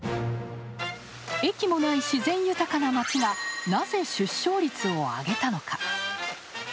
駅もない自然豊かな街がなぜ、出生率を上げたのか。